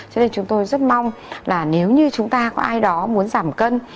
cho nên chúng tôi rất mong là nếu như chúng ta có ai đó muốn giảm cân